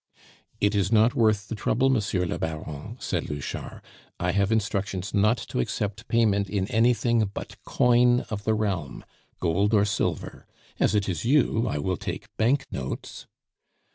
"It is not worth the trouble, Monsieur le Baron," said Louchard; "I have instructions not to accept payment in anything but coin of the realm gold or silver. As it is you, I will take banknotes."